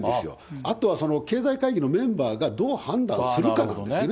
あとは経済会議のメンバーがどう判断するかなんですよね。